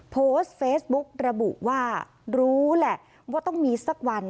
โพสต์เฟซบุ๊กระบุว่ารู้แหละว่าต้องมีสักวัน